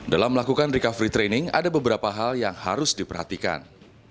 dalam melakukan recovery training ada beberapa hal yang harus diperhatikan